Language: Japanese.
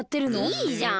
いいじゃん。